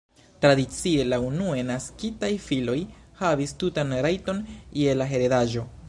Tradicie la unue naskitaj filoj havis tutan rajton je la heredaĵo.